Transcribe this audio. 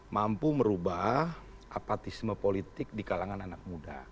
mampu merubah apatisme politik di kalangan anak muda